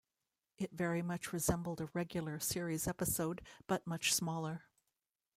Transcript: It very much resembled a regular series episode, but much smaller.